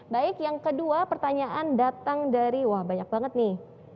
baik yang kedua pertanyaan datang dari wah banyak banget nih